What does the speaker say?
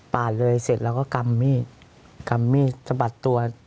เลยเสร็จแล้วก็กำมีดกำมีดสะบัดตัว